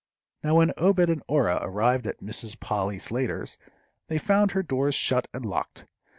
Now when Obed and Orah arrived at Mrs. Polly Slater's, they found her doors shut and locked.